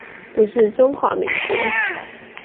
不是中華民國